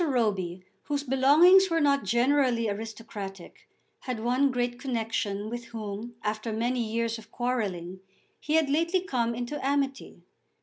Roby, whose belongings were not generally aristocratic, had one great connexion with whom, after many years of quarrelling, he had lately come into amity.